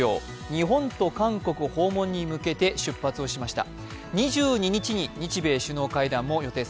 日本と韓国訪問に向けて出発しました。